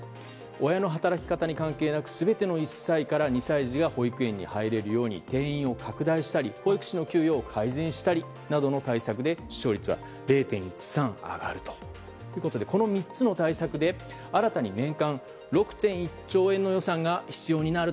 親の働き方に関係なく全ての１歳から２歳児が保育園に入れるように定員を拡大したり保育士の給与を改善したりなどの対策で出生率が０．１３上がるということでこの３つの対策で新たに年間６．１兆円の予算が必要になる。